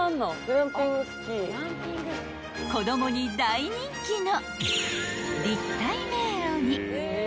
［子供に大人気の］